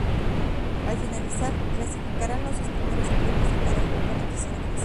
Al finalizar, clasificarán los dos primeros clubes de cada grupo a la tercera fase.